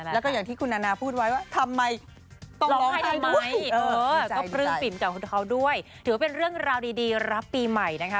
แล้วก็อย่างที่คุณณานาพูดไว้ว่า